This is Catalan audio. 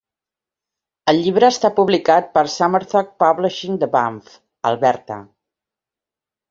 El llibre està publicat per Summerthought Publishing de Banff, Alberta.